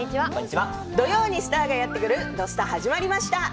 土曜にスターがやってくる「土スタ」始まりました。